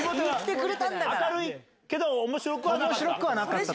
明るいけど面白くはなかった？